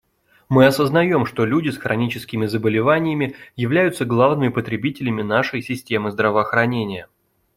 Мы осознаем, что люди с хроническими заболеваниями являются главными потребителями нашей системы здравоохранения.